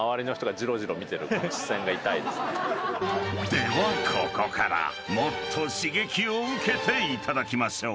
ではここからもっと刺激を受けていただきましょう］